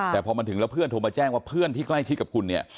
แต่พอมาถึงแล้วเพื่อนโทรมาแจ้งว่าเพื่อนที่ใกล้ชิดกับคุณเนี่ย